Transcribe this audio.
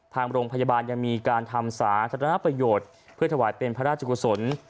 ทางโรงพยาบาลยังมีการทำสาธารณประโยชน์เพื่อถวายเป็นพระราชกุศล